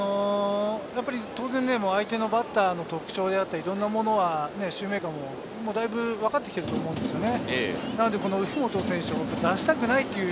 当然、相手のバッターの特徴であったり、いろんなものはシューメーカーもだいぶ分かってきてると思うんですよね。